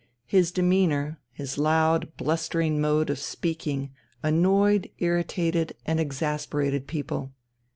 His demeanour, his loud, blustering mode of speaking annoyed, irritated, and exasperated people.